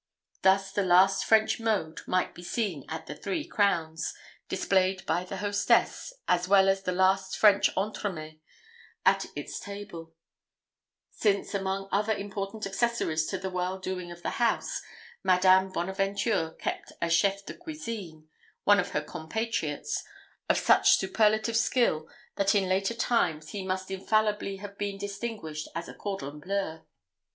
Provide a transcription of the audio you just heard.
Thus the last French mode might be seen at the Three Crowns, displayed by the hostess, as well as the last French entremet at its table; since, among other important accessories to the well doing of the house, Madame Bonaventure kept a chef de cuisine one of her compatriots of such superlative skill, that in later times he must infallibly have been distinguished as a cordon bleu.